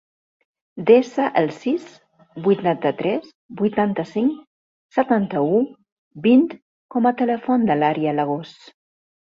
Desa el sis, vuitanta-tres, vuitanta-cinc, setanta-u, vint com a telèfon de l'Aria Lagos.